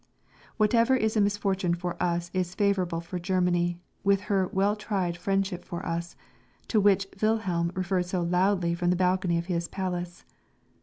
Whatever is a misfortune for us is favourable for Germany, with her "well tried" friendship for us, to which Wilhelm referred so loudly from the balcony of his palace.